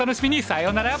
さようなら。